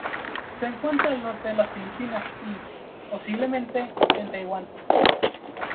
Se encuentra al norte de las Filipinas y, posiblemente, en Taiwán.